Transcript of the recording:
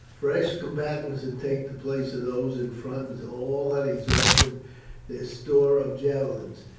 Fresh combatants had taken the place of those in front until all had exhausted their store of javelins.